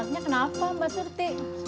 anaknya kenapa mbak surti